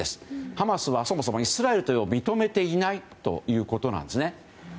ハマスはそもそもイスラエルと認めていないということなんです。